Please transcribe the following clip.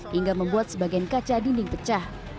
hingga membuat sebagian kaca dinding pecah